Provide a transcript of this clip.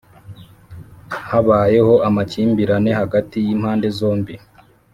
habayeho amakimbirane hagati y’impande zombi